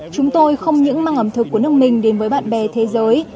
chúng tôi không những mang ẩm thực của nước mình đến với bạn bè thế giới